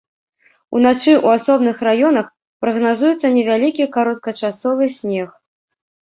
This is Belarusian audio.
Уначы ў асобных раёнах прагназуецца невялікі кароткачасовы снег.